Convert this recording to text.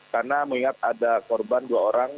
karena mengingat ada korban dua orang